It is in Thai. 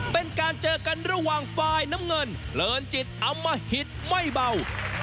เป็นการเจอกันระหว่างฝ่ายน้ำเงินเพลินจิตอำมหิตไม่เบา